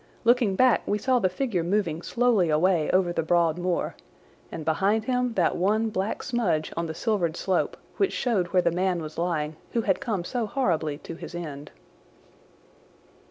Looking back we saw the figure moving slowly away over the broad moor, and behind him that one black smudge on the silvered slope which showed where the man was lying who had come so horribly to his end.